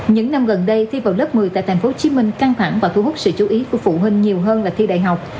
những năm gần đây thi vào lớp một mươi tại tp hcm căng thẳng và thu hút sự chú ý của phụ huynh nhiều hơn là thi đại học